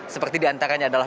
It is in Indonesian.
seperti diantaranya adalah